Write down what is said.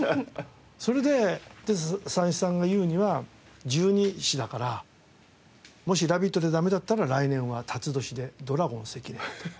それで三枝さんが言うには十二支だからもしラビットでダメだったら来年は辰年で「ドラゴン関根」だと。